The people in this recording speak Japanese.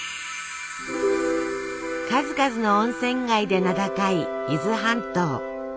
数々の温泉街で名高い伊豆半島。